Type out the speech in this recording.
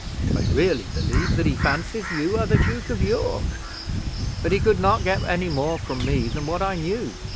I really believe that he fancies you are the Duke of York but he, could not get any more from me than what I knew.